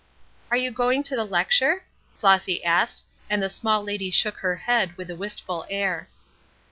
"Are you going to the lecture?" Flossy, asked and the small lady shook her head, with a wistful air.